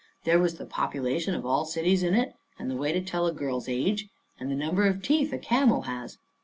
There was the population of all cities in it, and the way to tell a girl's age, and the number of teeth a camel has.